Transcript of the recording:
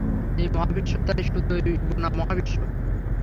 এই মহাবিশ্ব তাই সুতোয় বোনা মহাবিশ্ব।